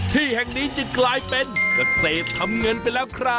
ที่แห่งนี้จึงกลายเป็นเกษตรทำเงินไปแล้วครับ